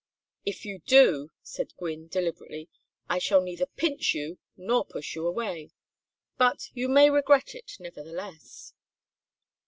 "If you do," said Gwynne, deliberately, "I shall neither pinch you nor push you away. But you may regret it, nevertheless."